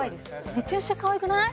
めちゃくちゃ可愛くない？